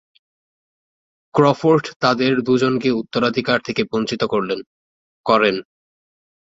Crawford তাদের দুজনকে উত্তরাধিকার থেকে বঞ্চিত করেন।